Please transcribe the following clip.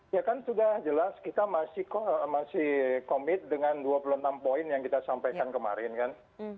ya kan sudah jelas kita masih komit dengan dua puluh enam poin yang kita sampaikan kemarin kan